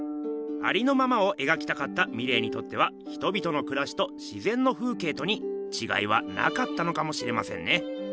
ありのままを描きたかったミレーにとっては人々のくらしとしぜんの風景とにちがいはなかったのかもしれませんね。